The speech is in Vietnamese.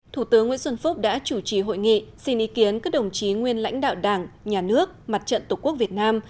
thủ tướng nguyễn xuân phúc đã chủ trì hội nghị xin ý kiến các đồng chí nguyên lãnh đạo đảng nhà nước mặt trận tổ quốc việt nam